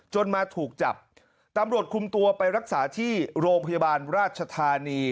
มาถูกจับตำรวจคุมตัวไปรักษาที่โรงพยาบาลราชธานี